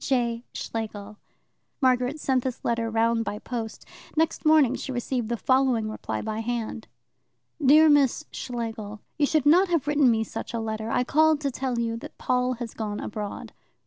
J. Schlegel Margaret sent this letter round by post. Next morning she received the following reply by hand: Dear Miss Schlegel, You should not have written me such a letter. I called to tell you that Paul has gone abroad.